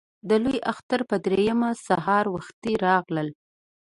د لوی اختر په درېیمه سهار وختي راغلل.